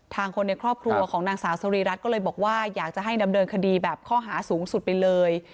คนในครอบครัวของนางสาวสรีรัตน์ก็เลยบอกว่าอยากจะให้ดำเนินคดีแบบข้อหาสูงสุดไปเลย